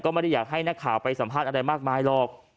ไม่ได้อยากให้นักข่าวไปสัมภาษณ์อะไรมากมายหรอก